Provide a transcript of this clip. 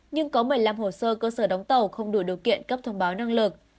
nhưng có một mươi năm hồ sơ cơ sở đóng tàu không đủ điều kiện cấp thông báo năng lực